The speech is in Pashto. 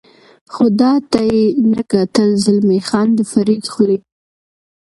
خو ده ته یې نه کتل، زلمی خان د فرید خولۍ.